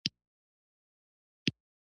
ما یې په ځواب کې وویل: نه، دواړو یو بل ته وکتل.